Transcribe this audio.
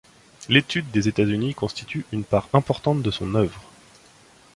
L'étude des États-Unis constitue une part importante de son œuvre.